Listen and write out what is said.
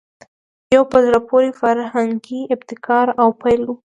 یو په زړه پورې فرهنګي ابتکار او پیل وو